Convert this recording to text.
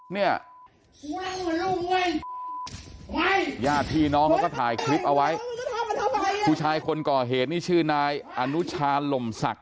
เนี่ยญาติพี่น้องเขาก็ถ่ายคลิปเอาไว้ผู้ชายคนก่อเหตุนี่ชื่อนายอนุชาลมศักดิ